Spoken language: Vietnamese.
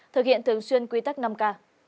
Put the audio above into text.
thực hiện thường xuyên quy tắc năm k